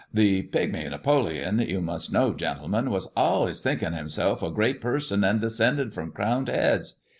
" The Pigmy Napoleon, you must know, gentlemen, was Eillays thinking himself a great person and descended from crowned heads.